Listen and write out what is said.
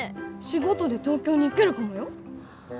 仕事で東京に行けるかもよ？